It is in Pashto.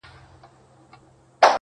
په نړۍ کي زموږ د توري شور ماشور وو!